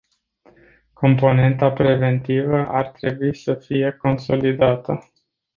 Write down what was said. Componenta preventivă ar trebui să fie consolidată.